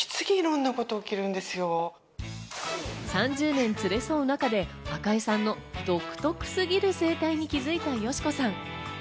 ３０年連れ添う中で、赤井さんの独特すぎる生態に気づいた佳子さん。